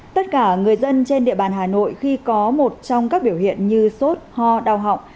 tất cả người dân trên địa bàn hà nội khi có một trong các biểu hiện như sốt ho đau họng